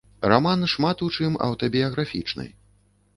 Раман шмат у чым аўтабіяграфічны.